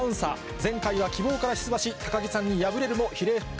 前回はきぼうから出馬し、高木さんに敗れるも比例復活。